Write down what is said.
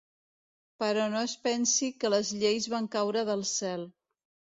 Però no es pensi que les lleis van caure del cel.